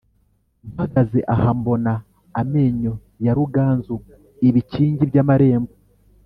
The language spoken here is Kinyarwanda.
Mpagaze aha mbona amenyo ya Ruganzu-Ibikingi by'amarembo.